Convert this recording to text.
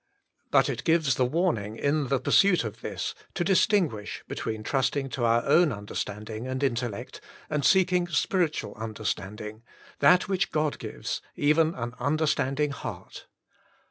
But it gives the warning in the pursuit of this, to distinguish be tween trusting to our own understanding, and intellect, and seeking spiritual understanding, that which God gives, even an understanding heart.